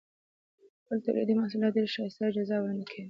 خپل تولیدي محصولات ډېر ښایسته او جذاب وړاندې کوي.